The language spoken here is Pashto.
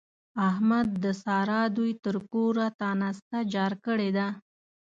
احمد د سارا دوی تر کوره تانسته جار کړې ده.